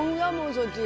そっちが。